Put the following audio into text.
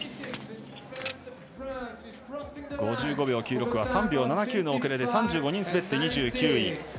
５５秒９６は３秒７９の遅れで３５人滑って２９位。